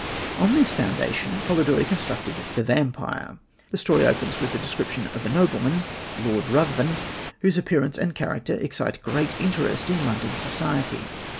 On this foundation Polidori constructed The Vampyre. The story opens with the description of a nobleman, Lord Ruthven, whose appearance and character excite great interest in London society.